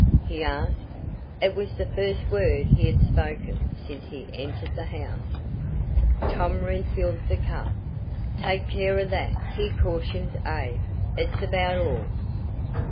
he asked. It was the first word he had spoken since he entered the house. Tom refilled the cup. "Take care of that," he cautioned Abe. "It's about all."